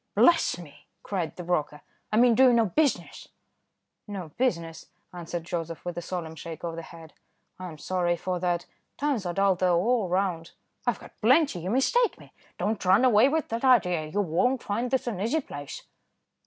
"Bless me!" cried the broker, "I mean do you know business?" "No business," answered Joseph, with a solemn shake of the head; "I am sorry for that; times are dull though, all round." "I've got plenty, you mistake me, don't run away with that idea, you won't find this an easy place."